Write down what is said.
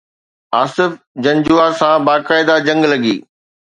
آصف جنجوعه سان باقاعده جنگ لڳي.